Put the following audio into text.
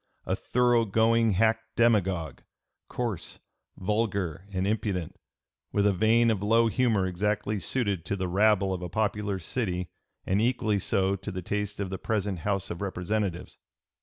a thorough going hack demagogue, coarse, vulgar, and impudent, with a vein of low humor exactly suited to the rabble of a popular city and equally so to the taste of the present House of Representatives."